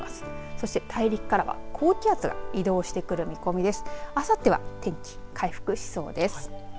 そして大陸からは高気圧が移動してくる見込みです。